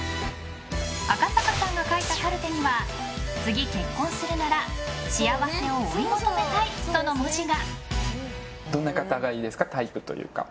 赤坂さんが書いたカルテには次、結婚するなら幸せを追い求めたいとの文字が。